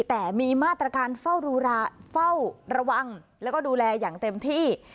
แต่มีมาตรการเฝ้าระวังแล้วก็ดูแลอย่างเต็มที่